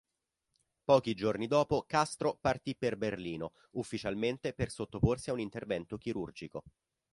Pochi giorni dopo Castro partì per Berlino, ufficialmente per sottoporsi a un intervento chirurgico.